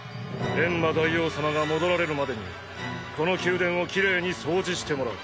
エンマ大王様が戻られるまでにこの宮殿をきれいに掃除してもらう。